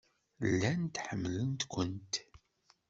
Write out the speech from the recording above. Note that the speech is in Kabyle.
Llant ḥemmlent-kent.